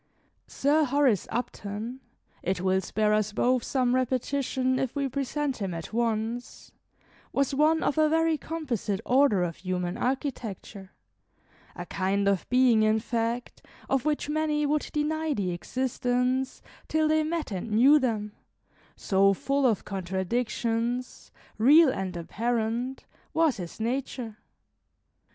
Sir Horace Upton it will spare us both some repetition if we present him at once was one of a very composite order of human architecture; a kind of being, in fact, of which many would deny the existence, till they met and knew them, so full of contradictions, real and apparent, was his nature.